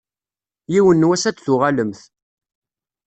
Yiwen n wass ad d-tuɣalemt.